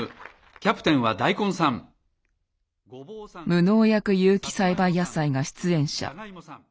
無農薬有機栽培野菜が出演者。